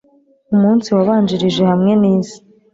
umunsi wabanjirije Hamwe n'isi